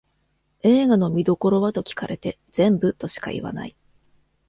映画の見どころはと聞かれて全部としか言わない